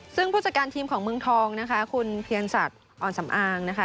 ซึ่งผู้จัดการทีมของเมืองทองนะคะคุณเพียรศักดิ์อ่อนสำอางนะคะ